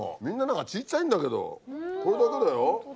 みんな何か小ちゃいんだけどこれだけだよ。